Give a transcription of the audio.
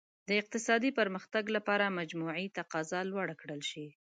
د اقتصادي پرمختګ لپاره مجموعي تقاضا لوړه کړل شي.